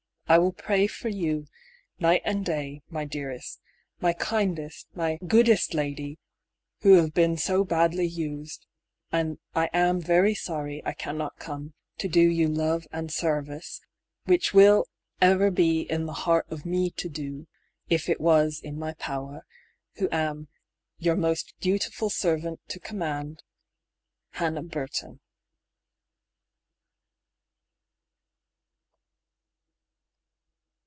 I will pray for you night and day, my dearest, my kindest, my goodest young lady, who have been so badly used; and I am very sorry I cannot come to do you love and sarvice; which will ever be in the harte of mee to do, if it was in my power: who am Your most dutiful servant to command, HANNAH BURTON.